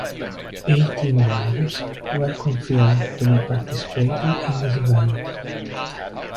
Eighteen drivers were confirmed to be participating in this event.